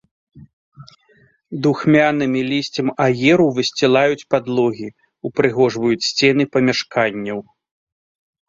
Духмянымі лісцем аеру высцілаюць падлогі, упрыгожваюць сцены памяшканняў.